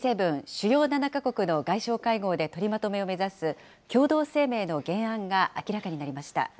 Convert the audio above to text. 主要７か国の外相会合で取りまとめを目指す共同声明の原案が明らかになりました。